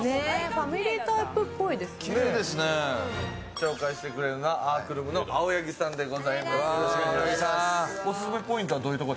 紹介してくれるのはアークルームの青柳さんです。